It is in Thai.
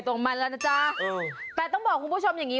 แต่ต้องบอกคุณผู้ชมอย่างนี้